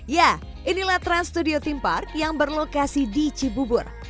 ya inilah trans studio theme park yang berlokasi di cibubur